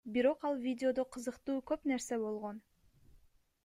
Бирок ал видеодо кызыктуу көп нерсе болгон.